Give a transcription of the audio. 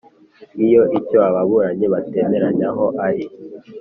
Iyo icyo ababuranyi batemeranyaho ari